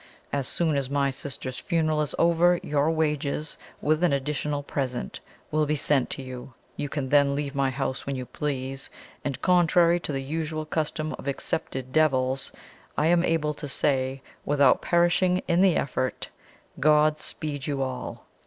As soon as my sister's funeral is over, your wages, with an additional present, will be sent to you. You can then leave my house when you please; and, contrary to the usual custom of accepted devils, I am able to say, without perishing in the effort God speed you all!"